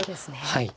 はい。